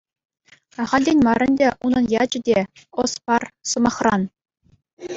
Ахальтен мар ӗнтӗ унӑн ячӗ те — «ӑс пар» сӑмахран.